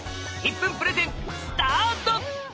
１分プレゼンスタート！